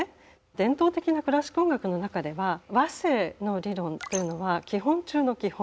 伝統的なクラシック音楽の中では和声の理論というのは基本中の基本。